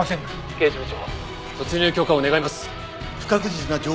刑事部長突入許可を願います。